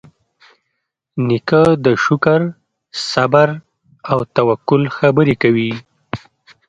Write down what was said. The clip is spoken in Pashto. نیکه د شکر، صبر، او توکل خبرې کوي.